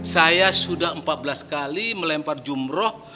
saya sudah empat belas kali melempar jumroh